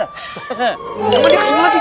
kenapa dia kesini lagi